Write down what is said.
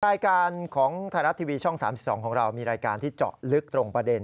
รายการของไทยรัฐทีวีช่อง๓๒ของเรามีรายการที่เจาะลึกตรงประเด็น